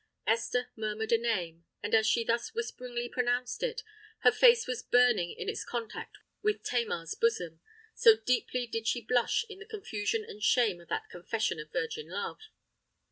Esther murmured a name; and, as she thus whisperingly pronounced it, her face was burning in its contact with Tamar's bosom—so deeply did she blush in the confusion and shame of that confession of virgin love.